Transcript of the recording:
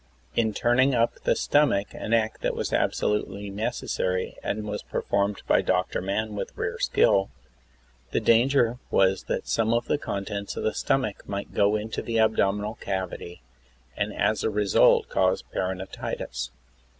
In turning up the stomach, an act that was absolutely necessary, and was performed by Dr. Mann with rare skill, the danger was that some of the contents of the stomach might gO' intoi the abdominal cavity, and as a result cause peritonitis.